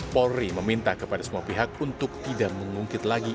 polri meminta kepada semua pihak untuk tidak mengungkit lagi